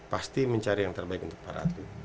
pasti mencari yang terbaik untuk para atlet